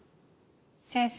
先生